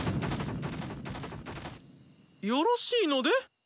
よろしいので？